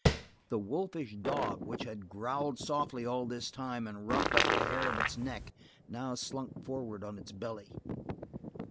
The wolfish dog, which had growled softly all this time and roughed up the hair of its neck, now slunk forward on its belly.